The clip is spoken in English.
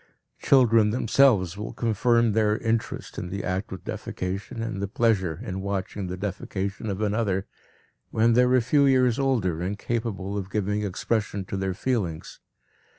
Children themselves will confirm their interest in the act of defecation and the pleasure in watching the defecation of another, when they are a few years older and capable of giving expression to their feelings.